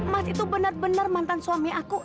mas itu benar benar mantan suami aku